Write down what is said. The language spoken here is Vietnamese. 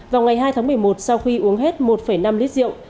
vào ngày hai tháng một mươi một sau khi uống hết một năm lít rượu